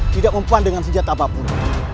tidak mempunyai senjata apapun